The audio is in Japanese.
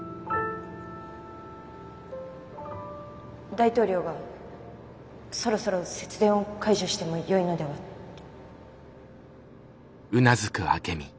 大統領がそろそろ節電を解除してもよいのではと。